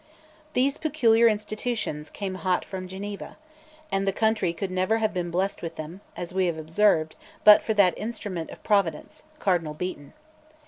These peculiar institutions came hot from Geneva, and the country could never have been blessed with them, as we have observed, but for that instrument of Providence, Cardinal Beaton.